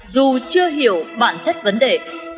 dù chưa hiểu bản chất vấn đề